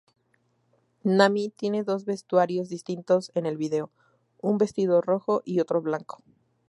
Nami tiene dos vestuarios distintos en el video: un vestido rojo y otro blanco.